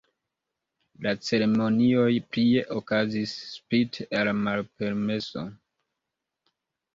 La ceremonioj plie okazis spite al la malpermeso.